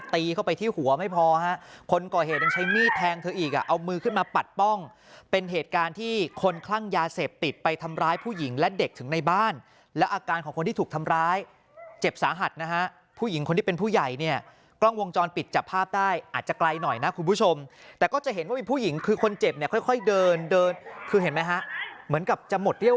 เข้าไปที่หัวไม่พอฮะคนก่อเหตุยังใช้มีดแทงเธออีกอ่ะเอามือขึ้นมาปัดป้องเป็นเหตุการณ์ที่คนคลั่งยาเสพติดไปทำร้ายผู้หญิงและเด็กถึงในบ้านแล้วอาการของคนที่ถูกทำร้ายเจ็บสาหัสนะฮะผู้หญิงคนที่เป็นผู้ใหญ่เนี่ยกล้องวงจรปิดจับภาพได้อาจจะไกลหน่อยนะคุณผู้ชมแต่ก็จะเห็นว่ามีผู้หญิงคือคนเจ็บเนี่ยค่อยเดินเดินคือเห็นไหมฮะเหมือนกับจะหมดเรี่ยว